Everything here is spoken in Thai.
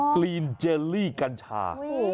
กลีนเจลลี่กัญชา